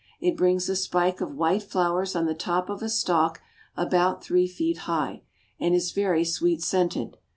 It brings a spike of white flowers on the top of a stalk about three feet high, and is very sweet scented.